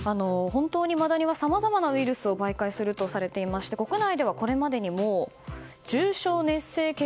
マダニはさまざまなウイルスを媒介することで知られ国内ではこれまでにも重症熱性血